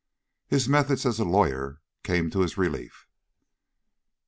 His methods as a lawyer came to his relief.